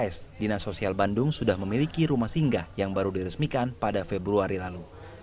s dinas sosial bandung sudah memiliki rumah singgah yang baru diresmikan pada februari lalu